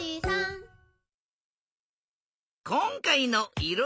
こんかいのいろ